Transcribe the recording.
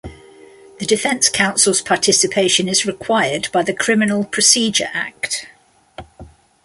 The defence counsel's participation is required by the Criminal Procedure Act.